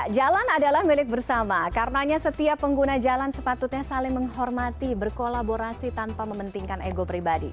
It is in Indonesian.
jalan adalah milik bersama karenanya setiap pengguna jalan sepatutnya saling menghormati berkolaborasi tanpa mementingkan ego pribadi